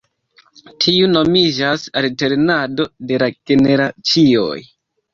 Tiu nomiĝas alternado de la generacioj.